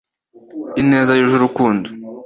ineza yuje urukundo